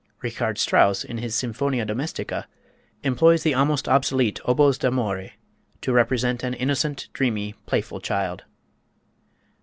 Richard Strauss, in his "Sinfonia Domestica," employs the almost obsolete oboes d'amore to represent an "innocent, dreamy, playful child."